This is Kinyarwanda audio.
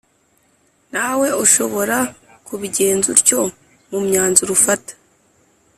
Nawe ushobora kubigenza utyo mu myanzuro ufata